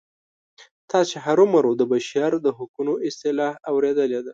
تاسې هرومرو د بشر د حقونو اصطلاح اوریدلې ده.